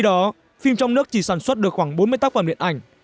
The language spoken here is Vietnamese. các nhà sản xuất được khoảng bốn mươi tác phẩm điện ảnh